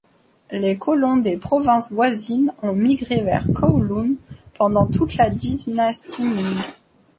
Les colons des provinces voisines ont migré vers Kowloon pendant toute la dynastie Ming.